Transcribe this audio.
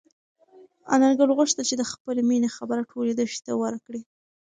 انارګل غوښتل چې د خپلې مېنې خبر ټولې دښتې ته ورکړي.